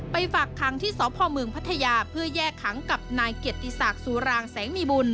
ฝากขังที่สพเมืองพัทยาเพื่อแยกขังกับนายเกียรติศักดิ์สุรางแสงมีบุญ